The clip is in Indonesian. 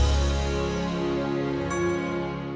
sadarkanlah suami amba dari segala hilafnya